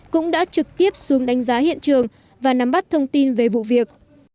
cũng đã trực tiếp xuống đánh giá hiện trường và nắm bắt thông tin về vụ việc